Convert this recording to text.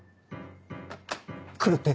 来るって？